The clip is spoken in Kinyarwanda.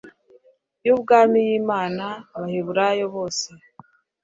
y ubwami y imana abaheburayo bose